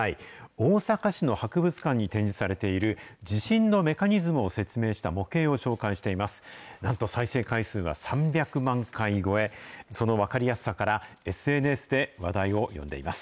大阪市の博物館に展示されている、地震のメカニズムを説明した模型を紹介しています。